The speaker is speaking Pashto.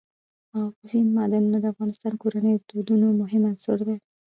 اوبزین معدنونه د افغان کورنیو د دودونو مهم عنصر دی.